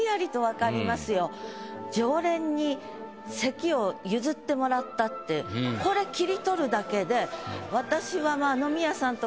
常連に席を譲ってもらったってこれ切り取るだけで私はまぁ飲み屋さんとか。